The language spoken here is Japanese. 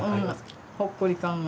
ほっくり感が。